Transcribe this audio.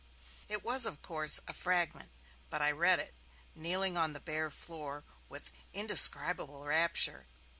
It was, of course, a fragment, but I read it, kneeling on the bare floor, with indescribable rapture.